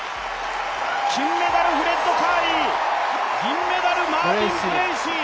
金メダル、フレッド・カーリー、銀メダル、マービン・ブレーシー。